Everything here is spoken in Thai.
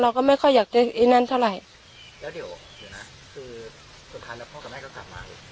เราก็ไม่ค่อยอยากเจอไอ้นั้นเท่าไรแล้วเดี๋ยวเดี๋ยวนะคือ